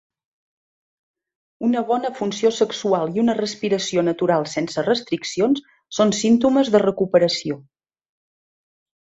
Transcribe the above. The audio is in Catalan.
Una bona funció sexual i una respiració natural sense restriccions son símptomes de recuperació.